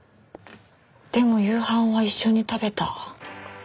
でも夕飯は一緒に食べた。